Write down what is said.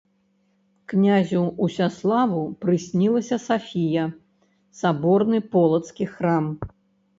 Князю Усяславу прыснілася Сафія, саборны полацкі храм.